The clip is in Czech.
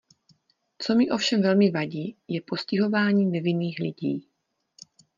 Co mi ovšem velmi vadí, je postihování nevinných lidí.